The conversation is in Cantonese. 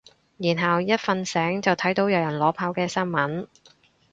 然後一瞓醒就睇到有人裸跑嘅新聞